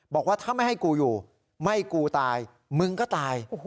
บอกว่าถ้าไม่ให้กูอยู่ไม่กูตายมึงก็ตาย